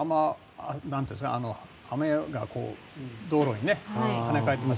雨が道路に跳ね返っています。